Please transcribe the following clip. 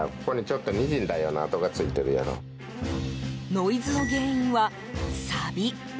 ノイズの原因は、さび。